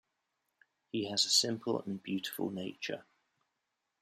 He has a simple and a beautiful nature.